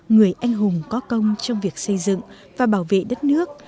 người anh hùng có công trong việc xây dựng và bảo vệ đất nước